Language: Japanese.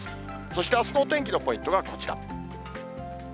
そしてあすのお天気のポイントがこちら。